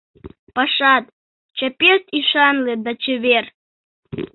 Пашат, чапет ӱшанле да чевер.